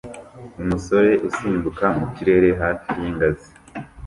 umusore usimbuka mu kirere hafi y'ingazi